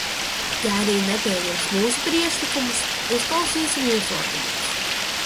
Ja arī nepieņems mūsu priekšlikumus, uzklausīsim jūsu argumentus.